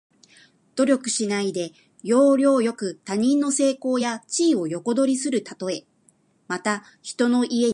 努力しないで、要領よく他人の成功や地位を横取りするたとえ。また、人の家に仮住まいするたとえ。